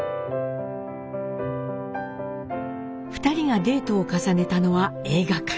２人がデートを重ねたのは映画館。